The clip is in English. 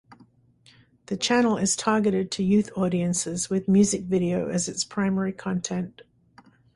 The channel is targeted to youth audiences with music video as its primary content.